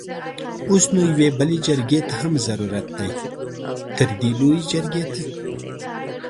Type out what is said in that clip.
اوس نو يوې بلې جرګې ته هم ضرورت دی؛ تردې لويې جرګې ته!